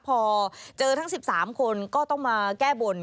พอเจอทั้ง๑๓คนก็ต้องมาแก้บน